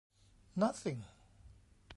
Nothing.